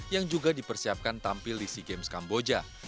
yang juga dipersiapkan tampil di sea games kamboja